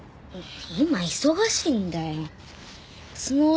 今忙しいんだよスノー